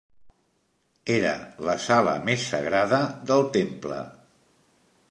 Era la sala més sagrada del Temple.